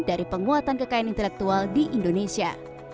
dari penguatan kekayaan intelektual di indonesia